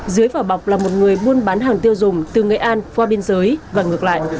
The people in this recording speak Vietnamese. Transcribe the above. dưới vỏ bọc là một người buôn bán hàng tiêu dùng từ nghệ an qua biên giới và ngược lại